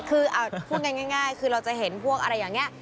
คือพูดง่ายคือเราจะเห็นพวกอะไรอย่างนี้